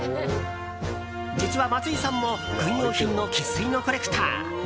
実は松井さんも軍用品の生粋のコレクター。